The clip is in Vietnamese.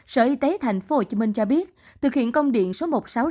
sở y tế thành phố hồ chí minh cho biết thực hiện công điện số một nghìn sáu trăm sáu mươi hai